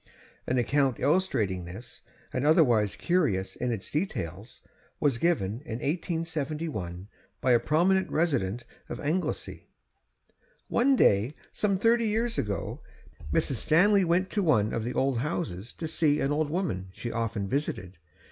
An account illustrating this, and otherwise curious in its details, was given in 1871 by a prominent resident of Anglesea: 'One day, some thirty years ago, Mrs. Stanley went to one of the old houses to see an old woman she often visited.